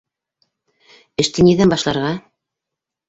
Эште ниҙән башларға?